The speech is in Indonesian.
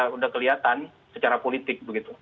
sudah kelihatan secara politik begitu